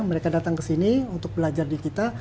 mereka datang ke sini untuk belajar di kita